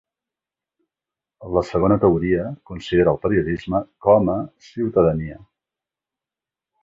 La segona teoria considera el periodisme "com a" ciutadania.